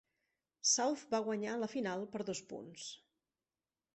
South va guanyar la final per dos punts.